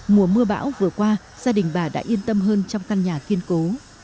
mùa mưa bão vừa qua gia đình bà đã yên tâm hơn trong căn nhà kiên cố